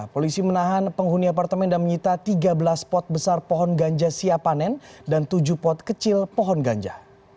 polisi menahan penghuni apartemen dan menyita tiga belas pot besar pohon ganja siapanen dan tujuh pot kecil pohon ganja